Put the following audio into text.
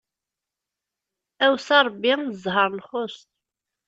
Awes a Ṛebbi, zzheṛ nxuṣ!